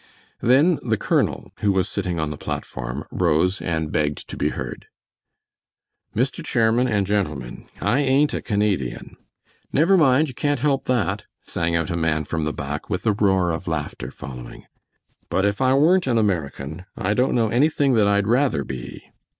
Then the colonel, who was sitting on the platform, rose and begged to be heard. "Mr. Chairman and gentlemen, I ain't a Canadian " "Never mind! You can't help that," sang out a man from the back, with a roar of laughter following. "But if I weren't an American, I don't know anything that I'd rather be."